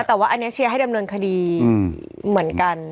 แต่ว่าอันนี้เชียร์ให้ดำเนินคดีเหมือนกัน